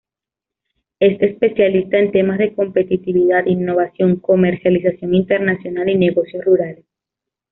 Es especialista en temas de competitividad, innovación, comercialización internacional y negocios rurales.